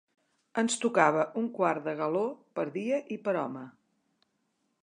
Ens tocava un quart de galó per dia i per home.